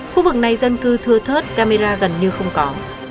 khu vực này dân cư thưa thớt camera gần như không có